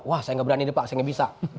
wah saya gak berani nih pak saya gak bisa